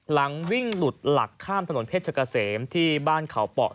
หลังวิ่งหลุดหลักข้ามถนนเพชรกะเสมที่บ้านเขาเปาะ